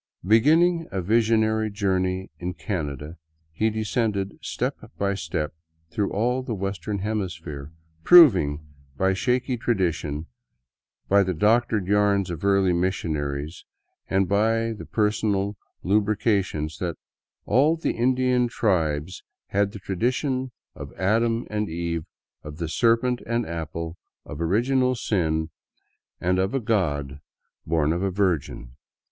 Beginning a visionary journey in Canada, he descended step by step through all the western hemisphere, "proving" by shaky tradition, by the doctored yarns of early missionaries, and by personal lucubrations that " all the Indian tribes had the tradition of Adam and Eve, of the serpent and the apple, of * original sin,' and of a god born 207 VAGABONDING DOWN THE ANDES of a virgin."